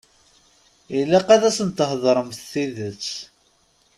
Ilaq ad asen-theḍṛemt tidet.